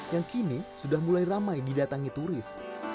yang kini sudah mulai ramai didatangi turis